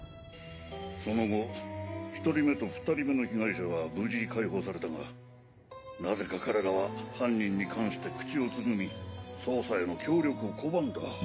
その後１人目と２人目の被害者は無事解放されたがなぜか彼らは犯人に関して口をつぐみ捜査への協力を拒んだ。